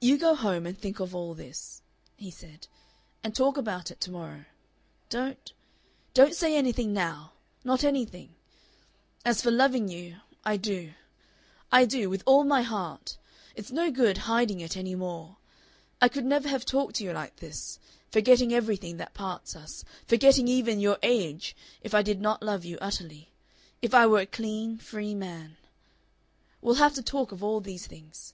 "You go home and think of all this," he said, "and talk about it to morrow. Don't, don't say anything now, not anything. As for loving you, I do. I do with all my heart. It's no good hiding it any more. I could never have talked to you like this, forgetting everything that parts us, forgetting even your age, if I did not love you utterly. If I were a clean, free man We'll have to talk of all these things.